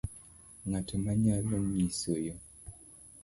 Ng'ato nyalo ng'isi yoo.